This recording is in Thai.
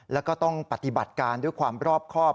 แล้วก็ต้องปฏิบัติการด้วยความรอบครอบ